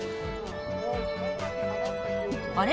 あれ？